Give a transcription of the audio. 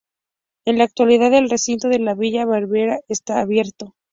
En la actualidad el recinto de la Villa Baviera está abierto.